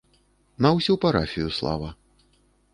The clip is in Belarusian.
На ўсю парафію слава.